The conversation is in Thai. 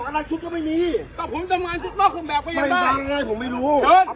มาเลยถ้าไม่ใส่ใส่กระแจมือใส่กระแจมือเลยเลือกอะไรเลือก